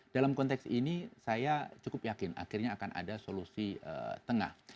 dalam konteks ini saya cukup yakin akhirnya akan ada solusi tengah